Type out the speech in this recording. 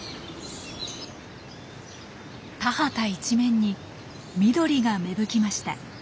田畑一面に緑が芽吹きました。